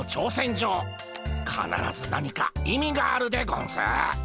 かならず何か意味があるでゴンス。